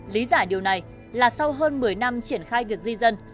lý giải điều này là sau hơn một mươi năm triển khai việc di dân